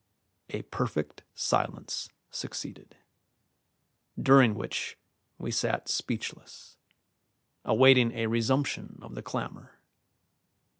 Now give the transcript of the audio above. A perfect silence succeeded, during which we sat speechless, awaiting a resumption of the clamour.